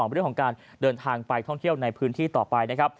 เรื่องของการเดินทางไปท่องเที่ยวในพื้นที่ต่อไปนะครับ